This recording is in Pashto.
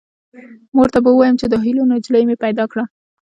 مور ته به ووایم چې د هیلو نجلۍ مې پیدا کړه